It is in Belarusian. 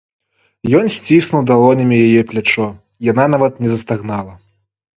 Ён сціснуў далонямі яе плячо, яна нават не застагнала.